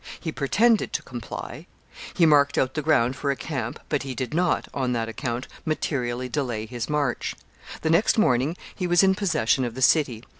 He pretended to comply; he marked out the ground for a camp; but he did not, on that account, materially delay his march. The next morning he was in possession of the city.